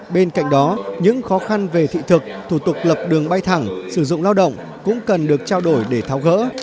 bên cạnh đó những khó khăn về thị thực thủ tục lập đường bay thẳng sử dụng lao động cũng cần được trao đổi để tháo gỡ